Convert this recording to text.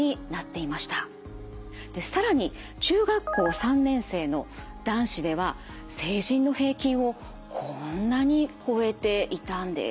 更に中学校３年生の男子では成人の平均をこんなに超えていたんです。